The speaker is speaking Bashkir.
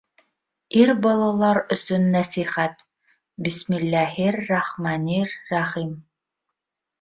ИР БАЛАЛАР ӨСӨН НӘСИХӘТ БИСМИЛЛӘҺИР-РАХМӘНИР-РАХИМ